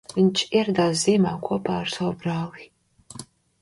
Viņš ieradās ziemā kopā ar savu brāli.